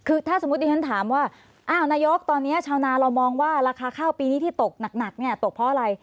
คือถ้าสมมุติฉันถามว่าอ้าวนายกตอนนี้ชาวนาเรามองว่าราคาข้าวปีนี้ที่ตกหนักเนี่ยตกเพราะอะไร